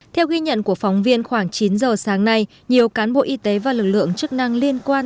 theo ghi nhận của phóng viên khoảng chín giờ sáng nay nhiều cán bộ y tế và lực lượng chức năng liên quan